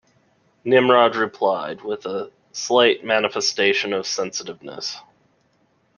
Nimrod replied, with a slight manifestation of sensitiveness.